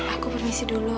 aku permisi dulu